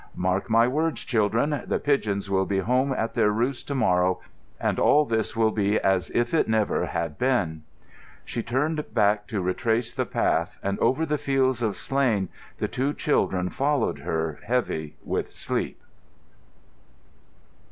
"Mark my words, children. The pigeons will be home at their roosts to morrow and all this will be as if it never had been." She turned back to retrace the path, and over the fields of slain the two children followed her, heavy with sleep.